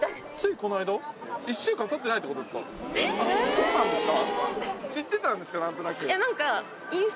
そうなんですか。